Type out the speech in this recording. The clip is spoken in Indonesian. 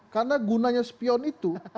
karena gunanya spion itu